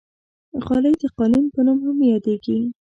غالۍ د قالین په نوم هم یادېږي.